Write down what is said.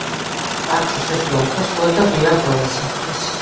პარკში შესვლა უფასოა და ღიაა ყველასათვის.